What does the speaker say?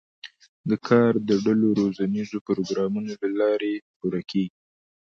دا کار د ډلو روزنیزو پروګرامونو له لارې پوره کېږي.